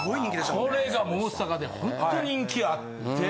これが大阪でホント人気あって。